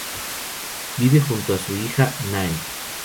Vive junto a su hija Nae.